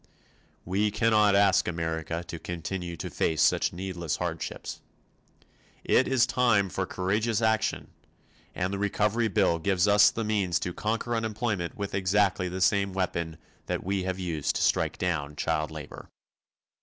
We cannot ask America to continue to face such needless hardships. It is time for courageous action, and the Recovery Bill gives us the means to conquer unemployment with exactly the same weapon that we have used to strike down child labor.